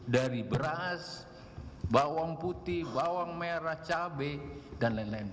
dari beras bawang putih bawang merah cabai dan lain lain